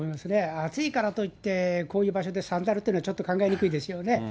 暑いからといってこういう場所でサンダルというのはちょっと考えにくいですよね。